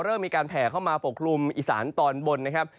ก็มีการแผ่เข้ามาปกลุ่มอิสานตอนบนนะครับ